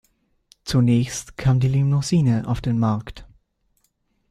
Zunächst kam die Limousine auf den Markt.